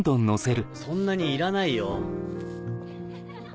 そんなにいらないよ。